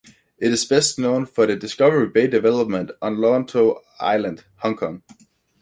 It is best known for the Discovery Bay development, on Lantau Island, Hong Kong.